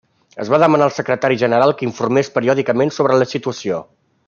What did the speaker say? Es va demanar al Secretari General que informés periòdicament sobre la situació.